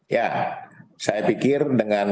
ya saya pikir dengan